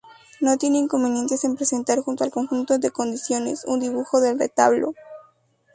No tiene inconvenientes en presentar junto al conjunto de condiciones, un dibujo del retablo.